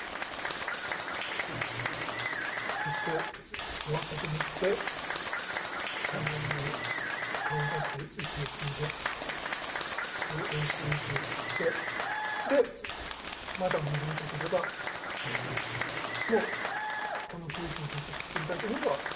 そして終わったと思って海面に顔を出して息を継いでふぅっとおいしい息を吸ってでまだ潜りたければ潜るしこの空気をずっと吸っていたければ吸い続ければいい。